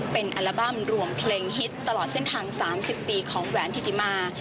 เป็นอัลบั้มรวมเพลงฮิตตลอดเส้นทาง๓๐ปีของแหวนธิติมา